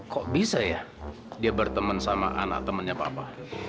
kok bisa ya dia berteman sama anak temannya papa